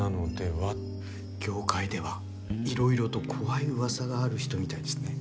業界ではいろいろと怖いうわさがある人みたいですね。